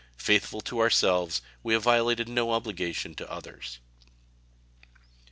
Faithful to ourselves, we have violated no obligation to others.